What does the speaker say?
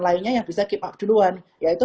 lainnya yang bisa keep up duluan yaitu